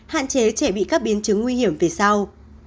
hạn chế trẻ bị các biến chứng nguy hiểm về sau